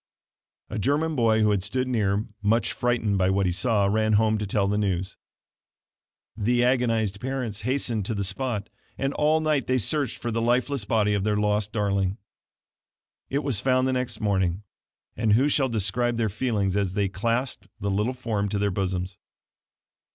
A German boy who had stood near, much frightened by what he saw, ran home to tell the news. The agonized parents hastened to the spot, and all night they searched for the lifeless body of their lost darling. It was found the next morning; and who shall describe their feelings as they clasped the little form to their bosoms?